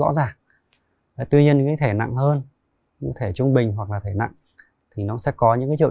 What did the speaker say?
rõ ràng tuy nhiên những thể nặng hơn những thể trung bình hoặc là thể nặng thì nó sẽ có những triệu